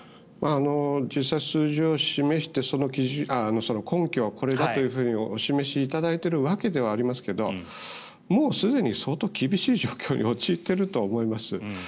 実際、数字を示してその根拠はこれだというふうにお示しいただいているわけではありますがもうすでに相当厳しい状況に陥っていると思います。